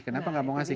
kenapa gak mau ngasih